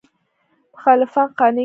مخالفان قانع کاندي.